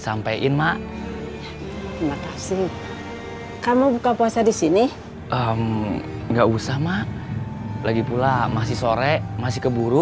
sampaikan mak terima kasih kamu buka puasa di sini enggak usah mak lagi pula masih sore masih keburu